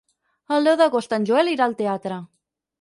El deu d'agost en Joel irà al teatre.